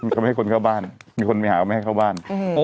เขาไม่ให้คนเข้าบ้านมีคนไปหาว่าไม่ให้เข้าบ้าน